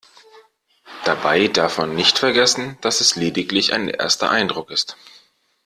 Dabei darf man nicht vergessen, dass es lediglich ein erster Eindruck ist.